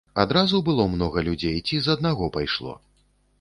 Адразу было многа людзей ці з аднаго пайшло?